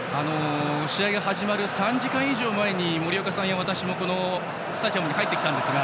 試合が始まる３時間以上前に、森岡さんや私もこのスタジアムに入ってきたんですが。